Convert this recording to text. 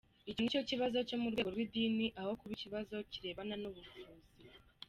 "Icyo ni ikibazo cyo mu rwego rw’idini, aho kuba ikibazo kirebana n’ubuvuzi.